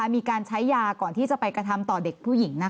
มีการใช้ยาก่อนที่จะไปกระทำต่อเด็กผู้หญิง